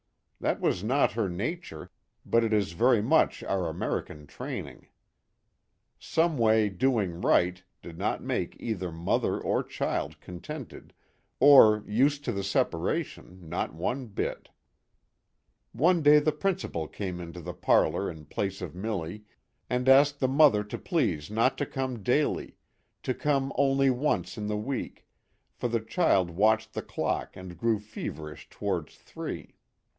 That was not her nature, but it is very much our American training. Some way " doing right " did not make either mother or child contented, or "used to the sep aration " not one bit. One day the principal came into the parlor in place of Milly and asked the mother to please not to come daily to come only once in the week for the child watched the clock and grew feverish towards three.